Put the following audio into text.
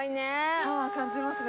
パワー感じますね。